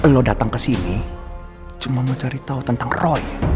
lo datang ke sini cuma mau cari tahu tentang roy